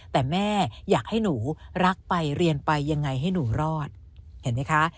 แต่แม่อยากให้หนูรักไปเรียนไปยังไงให้หนูรอดเห็นไหมคะ